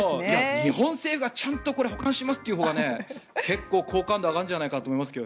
日本政府がちゃんと保管しますというほうが結構、好感度が上がるんじゃないかなと思います。